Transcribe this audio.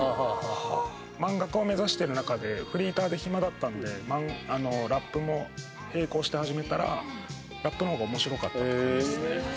漫画家を目指してる中でフリーターで暇だったんでラップも並行して始めたらラップのほうが面白かったって感じですね